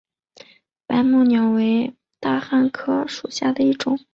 白木乌桕为大戟科乌桕属下的一个种。